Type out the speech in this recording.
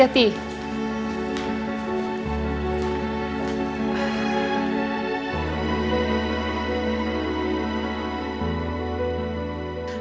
ya ampun ya ampun